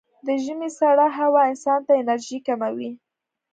د ژمي سړه هوا انسان ته انرژي کموي.